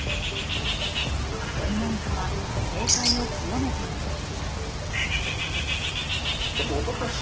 専門家は警戒を強めています。